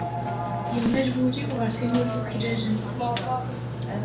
Yemmal wul-iw ɣer tin ur yuklalen.